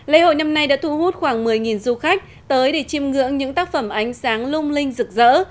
lễ hội năm nay đã thu hút khoảng một mươi du khách tới để chiêm ngưỡng những tác phẩm ánh sáng lung linh rực rỡ